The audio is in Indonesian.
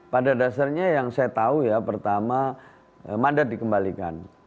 pada dasarnya yang saya tahu ya pertama mandat dikembalikan